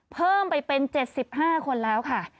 เพิ่มไปเป็น๗๕คนแล้วค่ะ